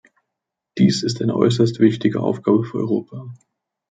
Dies ist eine äußerst wichtige Aufgabe für Europa.